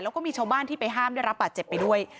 แล้วก็มีชาวบ้านที่ไปห้ามได้รับบาดเจ็บไปด้วย